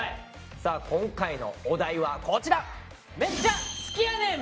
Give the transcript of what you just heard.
さあ今回のお題はこちら！